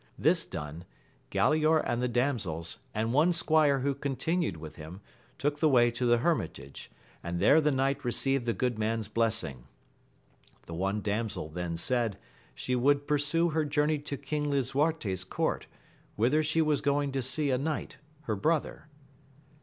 This done, Gkdaor and the damsels, and one squire who continued with him, took the way to the hermitage, and there the knight received the good man's blessing. The one damsel then said, she would pursue her journey to King Lisuarte's court, whither she was going to see a knight, her brother.